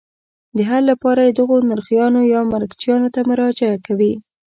د حل لپاره یې دغو نرخیانو یا مرکچیانو ته مراجعه کوي.